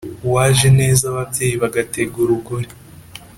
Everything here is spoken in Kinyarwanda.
Uwajeneza ababyeyi bagatega urugori